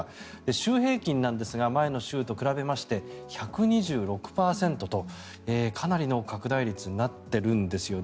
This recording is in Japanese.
週平均なんですが前の週と比べまして１２６％とかなりの拡大率になっているんですよね。